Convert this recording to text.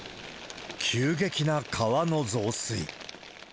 急激な川の増水。